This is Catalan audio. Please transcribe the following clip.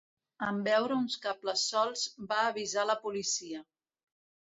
En veure uns cables solts va avisar la policia.